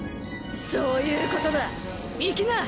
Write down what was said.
そういうことだ行きな！